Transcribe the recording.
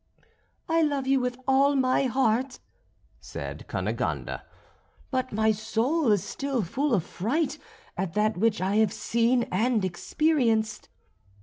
"I love you with all my heart," said Cunegonde; "but my soul is still full of fright at that which I have seen and experienced."